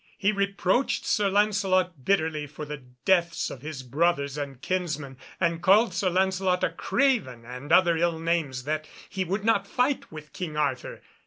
He reproached Sir Lancelot bitterly for the deaths of his brothers and kinsmen, and called Sir Lancelot a craven and other ill names that he would not fight with King Arthur.